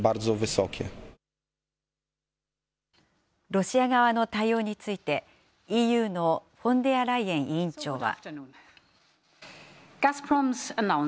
ロシア側の対応について、ＥＵのフォンデアライエン委員長は。